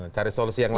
cari solusi yang lain